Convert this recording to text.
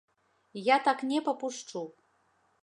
Я так не папушчу!